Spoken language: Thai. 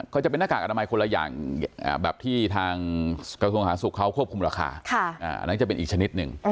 ก็จะเป็นหน้ากากอนามัยคนละอย่างแบบที่ทางกระทรวงสาธารณสุขเขาควบคุมราคาอันนั้นจะเป็นอีกชนิดหนึ่ง